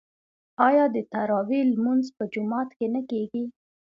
آیا د تراويح لمونځ په جومات کې نه کیږي؟